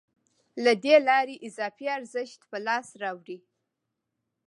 له دې لارې اضافي ارزښت په لاس راوړي